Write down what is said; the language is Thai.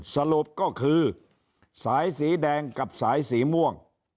สรุปก็คือสายสีแดงกับสายสีม่วง